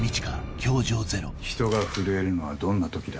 人が震えるのはどんな時だ？